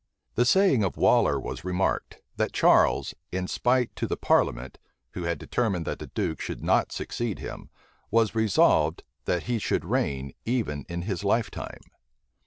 The saying of Waller was remarked, that Charles, in spite to the parliament, who had determined that the duke should not succeed him, was resolved that he should reign even in his lifetime.